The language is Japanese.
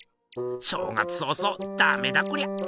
正月早々ダメだこりゃ。